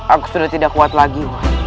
aku sudah tidak kuat lagi